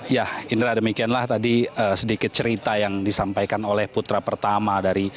ya indra demikianlah tadi sedikit cerita yang disampaikan oleh putra pertama dari